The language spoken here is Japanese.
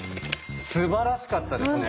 すばらしかったですね。